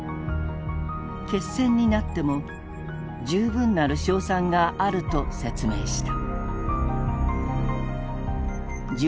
決戦になっても「充分なる勝算」があると説明した。